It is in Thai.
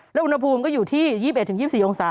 และอุณหภูมิก็อยู่ที่๒๑๒๔องศา